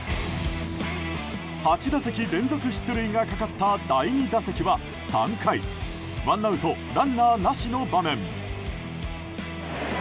８打席連続出塁がかかった第２打席は、３回ワンアウトランナーなしの場面。